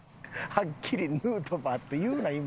はっきり「ヌートバー」って言うな今。